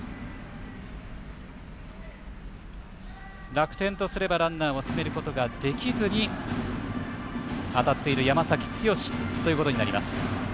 楽天とすればランナーを進めることができずに当たっている山崎剛ということになります。